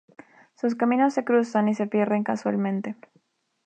Sus caminos se cruzan y se pierden casualmente.